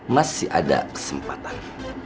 masih ada kesempatan